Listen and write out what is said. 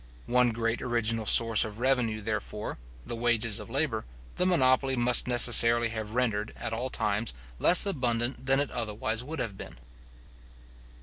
One great original source of revenue, therefore, the wages of labour, the monopoly must necessarily have rendered, at all times, less abundant than it otherwise would have been.